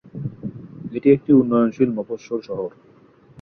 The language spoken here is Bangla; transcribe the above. এটি একটি উন্নয়নশীল মফস্বল শহর।